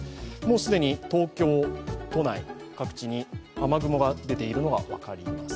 既に東京都内各地に雨雲が出ているのが分かります。